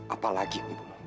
apa lagi ibu